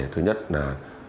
thứ nhất là